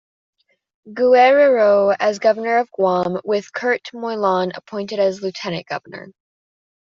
Guerrero as governor of Guam, with Kurt Moylan appointed as lieutenant governor.